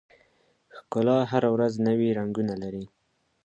ښکلا هره ورځ نوي رنګونه لري.